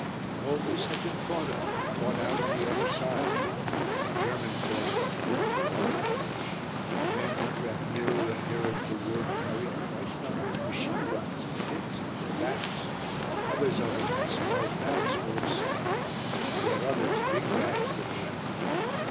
All this had been thought of and thought out on the other side. The German force was beautifully organised. The men who crept nearer and nearer to the wood carried quite a number of machine guns in bits on their backs; others of them had small bags full of sand; yet others big bags that were empty.